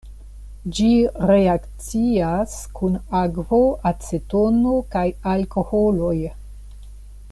Ĝi reakcias kun akvo, acetono kaj alkoholoj.